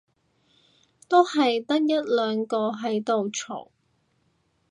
都係得一兩個喺度嘈